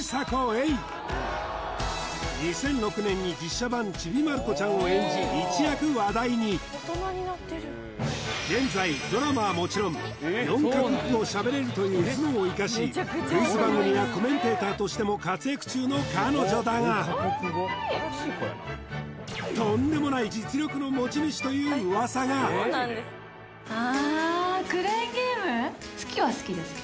２００６年に実写版「ちびまる子ちゃん」を演じ一躍話題に現在ドラマはもちろん４か国語喋れるという頭脳を生かしクイズ番組やコメンテーターとしても活躍中の彼女だがおいしいああクレーンゲーム？